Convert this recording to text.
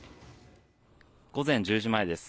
午前１０時前です。